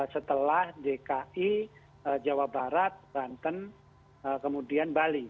setelah dki jawa barat banten kemudian bali